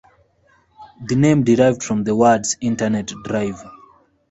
The name derived from the words "Internet drive".